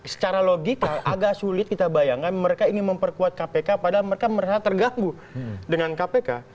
secara logika agak sulit kita bayangkan mereka ingin memperkuat kpk padahal mereka merasa terganggu dengan kpk